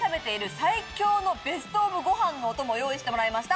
最強のベストオブご飯のお供を用意してもらいました。